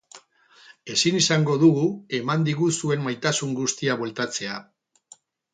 Ezin izango dugu eman diguzuen maitasun guztia bueltatzea.